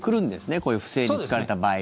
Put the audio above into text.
こういう不正に使われた場合は。